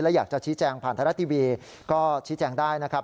และอยากจะชี้แจงผ่านไทยรัฐทีวีก็ชี้แจงได้นะครับ